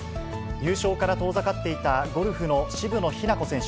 優勝から遠ざかっていたゴルフの渋野日向子選手。